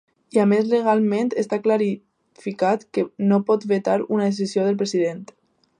I a més legalment està clarificat que no pot vetar una decisió del president.